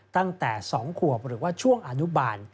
ตั้งแต่๒ขวบหรือว่าช่วงอนุบาล